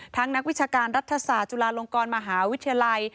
นักวิชาการรัฐศาสตร์จุฬาลงกรมหาวิทยาลัย